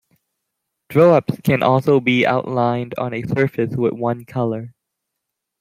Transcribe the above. Throw-ups can also be outlined on a surface with one color.